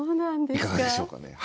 いかがでしょうかね？